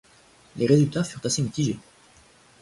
Les résultats furent assez mitigés.